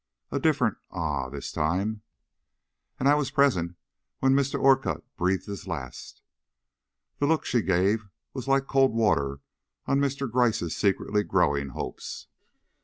A different "Ah!" this time. "And I was present when Mr. Orcutt breathed his last." The look she gave was like cold water on Mr. Gryce's secretly growing hopes.